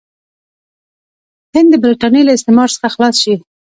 هند د برټانیې له استعمار څخه خلاص شي.